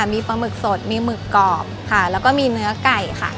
มีปลาหมึกสดมีหมึกกรอบค่ะแล้วก็มีเนื้อไก่ค่ะ